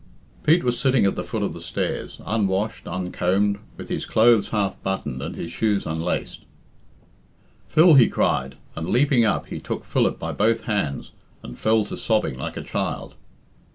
III. Pete was sitting at the foot of the stairs, unwashed, uncombed, with his clothes half buttoned and his shoes unlaced. "Phil!" he cried, and leaping up he took Philip by both hands and fell to sobbing like a child.